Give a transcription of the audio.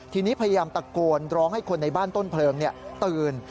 ทีนี้พยายามตะโกนร้องให้คนในบ้านต้นเพลิงตื่น